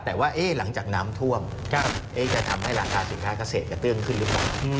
แต่ว่าหลังจากน้ำท่วมจะทำให้ราคาสินค้าเกษตรกระเตื้องขึ้นหรือเปล่า